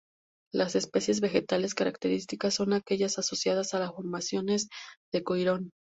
Las especies vegetales características son aquellas asociadas a las formaciones de coirón.